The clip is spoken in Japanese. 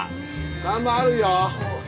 看板あるよ。